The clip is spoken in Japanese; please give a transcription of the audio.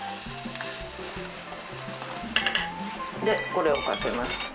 でこれをかけます。